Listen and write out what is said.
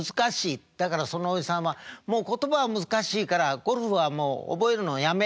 だからそのおじさんは「もう言葉は難しいからゴルフはもう覚えるのはやめ。